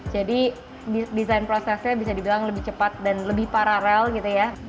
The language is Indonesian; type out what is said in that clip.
jadi desain prosesnya bisa dibilang lebih cepat dan lebih paralel gitu ya